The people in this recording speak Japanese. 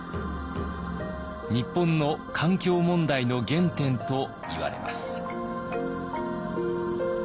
日本の環境問題の原点といわれます。